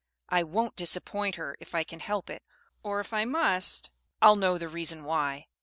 "I won't disappoint her if I can help it; or, if I must, I'll know the reason why."